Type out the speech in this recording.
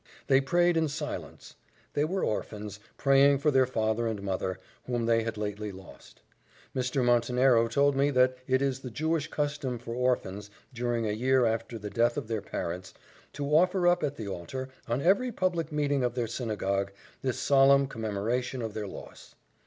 They prayed in silence. They were orphans, praying for their father and mother, whom they had lately lost. Mr. Montenero told me that it is the Jewish custom for orphans, during a year after the death of their parents, to offer up at the altar, on every public meeting of their synagogue, this solemn commemoration of their loss.